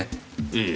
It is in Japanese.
ええ。